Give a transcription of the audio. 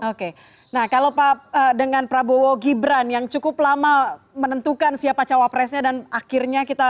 oke nah kalau pak dengan prabowo gibran yang cukup lama menentukan siapa cawapresnya dan akhirnya kita